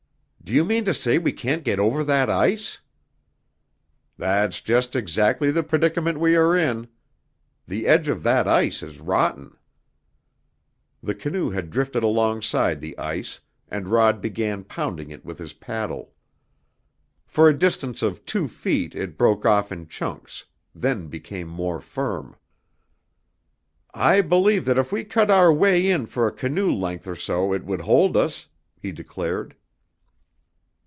"Do you mean to say we can't get over that ice?" "That's just exactly the predicament we are in. The edge of that ice is rotten." The canoe had drifted alongside the ice, and Rod began pounding it with his paddle. For a distance of two feet it broke off in chunks, then became more firm. "I believe that if we cut our way in for a canoe length or so it would hold us," he declared.